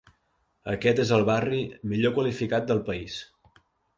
Aquest és el barri millor qualificat del país.